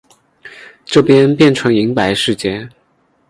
这边变成银白世界